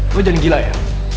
lo jangan gila ya